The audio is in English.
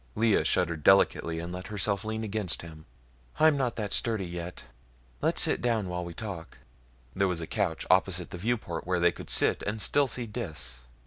Lea shuddered delicately and let herself lean against him. "I'm not that sturdy yet; let's sit down while we talk." There was a couch opposite the viewport where they could sit and still see Dis.